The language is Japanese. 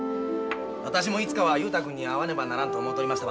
私もいつかは雄太君に会わねばならんと思うとりました